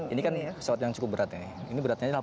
ini kan pesawat yang cukup berat ya ini beratnya delapan enam ratus